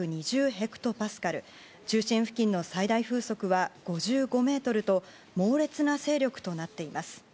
ヘクトパスカル中心付近の最大風速は５５メートルと猛烈な勢力となっています。